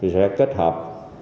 sẽ kết hợp